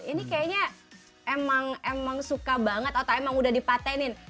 ini kayaknya emang suka banget atau emang udah dipatenin